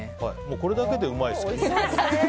これだけでうまいですね。